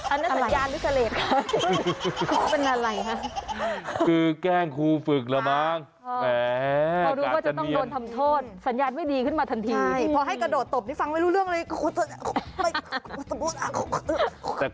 โอ้โหนี่ไหนรายงานตรวจมาสิกระโปรงผู้ทหาร